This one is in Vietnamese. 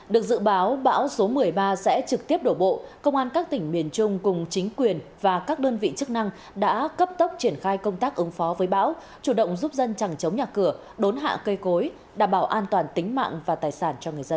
được dự báo bão số một mươi ba sẽ trực tiếp đổ bộ công an các tỉnh miền trung cùng chính quyền và các đơn vị chức năng đã cấp tốc triển khai công tác ứng phó với bão chủ động giúp dân chẳng chống nhà cửa đốn hạ cây cối đảm bảo an toàn tính mạng và tài sản cho người dân